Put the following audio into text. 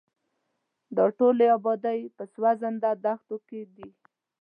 دا ټولې ابادۍ په سوځنده دښتو کې دي.